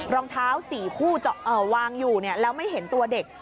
รองเท้า๔คู่วางอยู่แล้วไม่เห็นตัวเด็ก